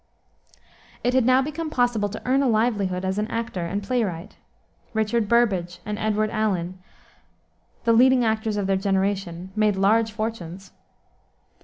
It had now become possible to earn a livelihood as an actor and playwright. Richard Burbage and Edward Alleyn, the leading actors of their generation, made large fortunes.